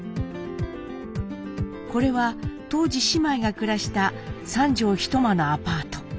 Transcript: これは当時姉妹が暮らした三畳一間のアパート。